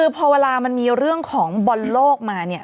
พ่อมันสูงมาก